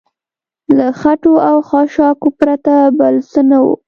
له خټو او خاشاکو پرته بل څه نه و.